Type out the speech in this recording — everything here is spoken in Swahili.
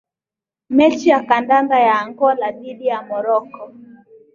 Mechi ya kandanda ya Angola dhidi ya Moroko